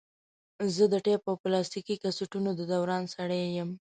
زه د ټیپ او پلاستیکي کسټونو د دوران سړی یم.